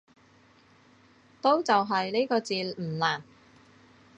都就係呢個字唔難